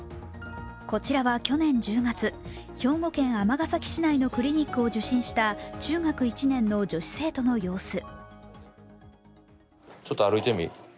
こちらは去年１０月、兵庫県尼崎市内のクリニックを受診した中学１年の女子生徒の様子